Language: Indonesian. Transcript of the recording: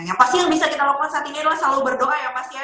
yang pasti yang bisa kita lakukan saat ini adalah selalu berdoa ya mas ya